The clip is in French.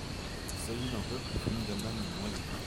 Il s'agit d'un peuple venu d'Allemagne moyenne.